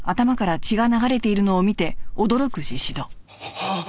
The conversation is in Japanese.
あっ！